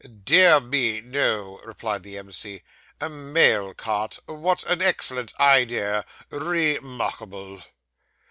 'Dear me, no,' replied the M.C. 'A mail cart! What an excellent idea. Re markable!